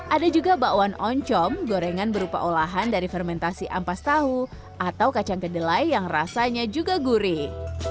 ada juga bakwan oncom gorengan berupa olahan dari fermentasi ampas tahu atau kacang kedelai yang rasanya juga gurih